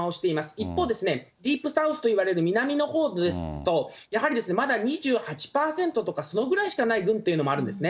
一方ですね、ディープサウスといわれる南のほうですと、やはりまだ２８％とか、そのぐらいしかない群というのもあるんですね。